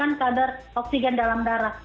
menggunakan kadar oksigen dalam darah